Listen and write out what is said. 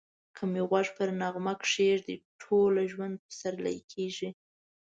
که می غوږ پر نغمه کښېږدې ټوله ژوند پسرلی کېږی